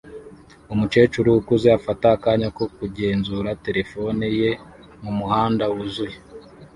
Umukecuru ukuze afata akanya ko kugenzura terefone ye mumuhanda wuzuye